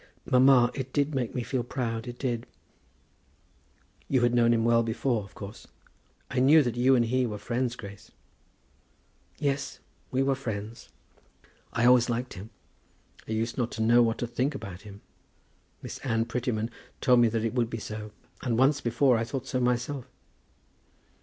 "Mamma, it did make me feel proud; it did." "You had known him well before, of course? I knew that you and he were friends, Grace." "Yes, we were friends. I always liked him. I used not to know what to think about him. Miss Anne Prettyman told me that it would be so; and once before I thought so myself."